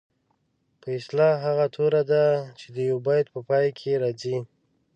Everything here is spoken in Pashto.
په اصطلاح هغه توري دي چې د یوه بیت په پای کې راځي.